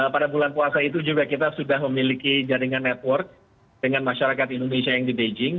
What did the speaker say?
pada bulan puasa itu juga kita sudah memiliki jaringan network dengan masyarakat indonesia yang di beijing